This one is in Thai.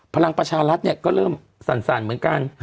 พลังประชารัฐเนี่ยก็เริ่มสั่นเหมือนกัน